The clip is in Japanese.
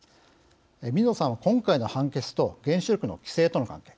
水野さんは今回の判決と原子力の規制との関係